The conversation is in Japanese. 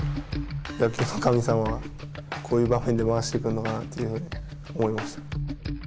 野球の神様はこういう場面で回してくるのかなっていうふうに思いました。